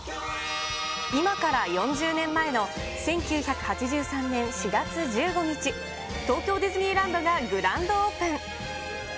今から４０年前の１９８３年４月１５日、東京ディズニーランドがグランドオープン。